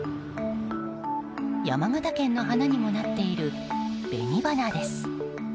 山形県の花にもなっている紅花です。